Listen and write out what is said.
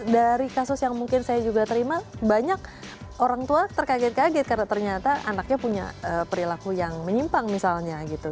dari kasus yang mungkin saya juga terima banyak orang tua terkaget kaget karena ternyata anaknya punya perilaku yang menyimpang misalnya gitu